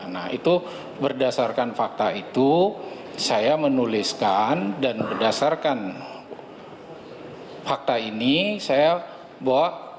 nah itu berdasarkan fakta itu saya menuliskan dan berdasarkan fakta ini saya bawa